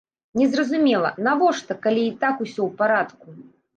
Незразумела, навошта, калі і так усё ў парадку.